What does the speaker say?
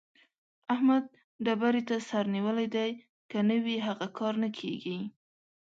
احمد ډبرې ته سر نيولی دی؛ که نه وي هغه کار نه کېږي.